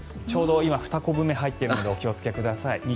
ちょうどふたこぶ目に入っているので気をつけてください。